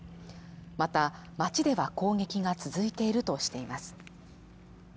また町では攻撃が続いているとしています